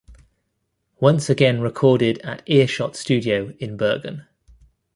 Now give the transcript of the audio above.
Once again recorded at Earshot Studio in Bergen.